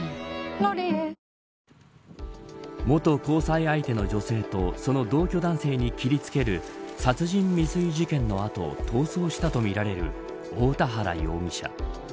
「ロリエ」元交際相手の女性とその同居男性に切りつける殺人未遂事件の後逃走したとみられる大田原容疑者。